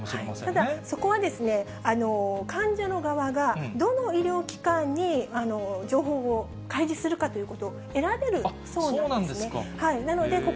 ただ、そこは患者の側が、どの医療機関に情報を開示するかということを選べるそうなんですそうなんですか。